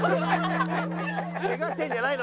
ケガしてるんじゃないの？